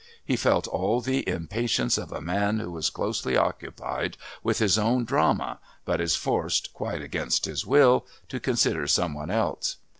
He felt all the impatience of a man who is closely occupied with his own drama but is forced, quite against his will, to consider some one else.